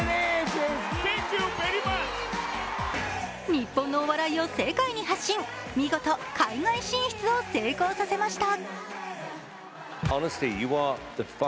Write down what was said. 日本のお笑いを世界に発信、見事、海外進出を成功させました。